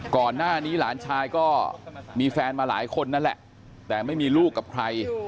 ก่อนหน้านี้หลานชายก็มีแฟนมาหลายคนนั่นแหละแต่ไม่มีลูกกับใคร